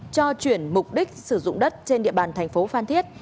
cho chuyển mục đích sử dụng đất trên địa bàn tp phan thiết